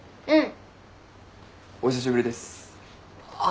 うん。